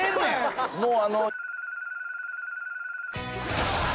もうあの。